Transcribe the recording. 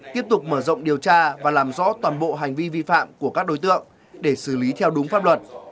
tiếp tục mở rộng điều tra và làm rõ toàn bộ hành vi vi phạm của các đối tượng để xử lý theo đúng pháp luật